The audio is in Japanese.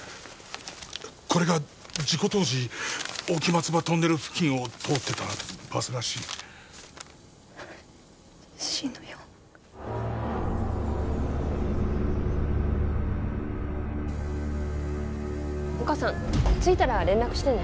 これが事故当時大木松葉トンネル付近を通ってたバスらしい Ｃ−４お母さん着いたら連絡してね